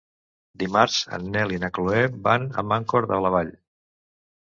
Dimarts en Nel i na Chloé van a Mancor de la Vall.